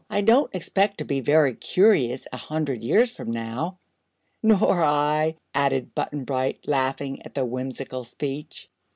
"I don't expect to be very curious, a hundred years from now." "Nor I," added Button Bright, laughing at the whimsical speech.